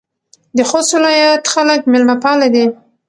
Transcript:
د خوست ولایت خلک میلمه پاله دي.